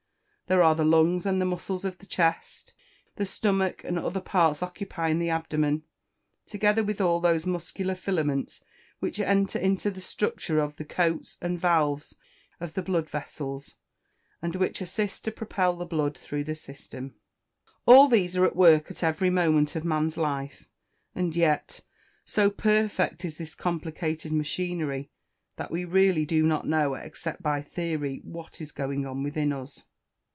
There are the lungs and the muscles of the chest, the stomach, and other parts occupying the abdomen, together with all those muscular filaments which enter into the structure of the coats and valves of the blood vessels, and which assist to propel the blood through the system. All these are at work at every moment of man's life; and yet, so perfect is this complicated machinery, that we really do not know, except by theory, what is going on within us.